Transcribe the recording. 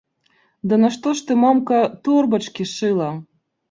Ды нашто ж ты, мамка, торбачкі шыла?!